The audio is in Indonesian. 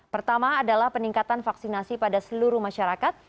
pertama adalah peningkatan vaksinasi pada seluruh masyarakat